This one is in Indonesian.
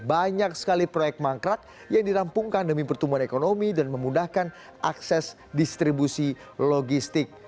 banyak sekali proyek mangkrak yang dirampungkan demi pertumbuhan ekonomi dan memudahkan akses distribusi logistik